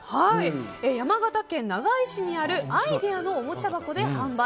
山形県長井市にあるアイデアのおもちゃ箱で販売。